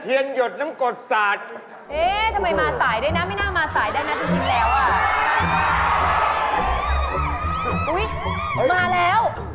อุ๊ยมาแล้ว